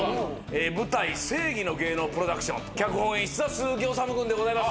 舞台『正偽の芸能プロダクション』脚本・演出は鈴木おさむ君でございます。